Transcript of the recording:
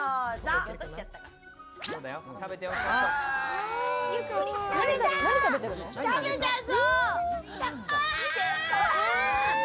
食べたぞ！